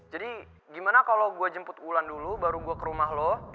jadi gimana kalo gue jemput ulan dulu baru gue ke rumah lo